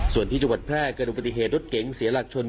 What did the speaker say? ส่วนที่จังหวัดแพร่เกิดดูปฏิเหตุรถเก๋งเสียหลักชน